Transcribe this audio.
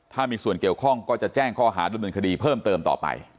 ถ้ามีส่วนเกี่ยวข้องก็จะแจ้งข้อหาดำเนินคดีเพิ่มเติมต่อไป